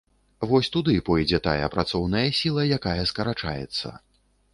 Вось туды пойдзе тая працоўная сіла, якая скарачаецца.